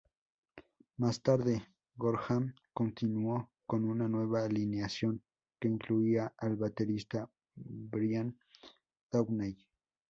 Más tarde, Gorham continuó con una nueva alineación que incluía al baterista Brian Downey.